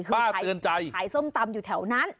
เตือนใจขายส้มตำอยู่แถวนั้น